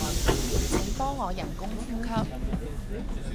請幫我人工呼吸